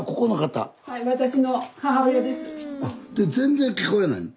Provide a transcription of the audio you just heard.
全然聞こえないの？